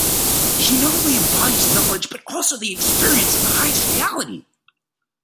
She not only embodies knowledge but also the experience of the highest reality.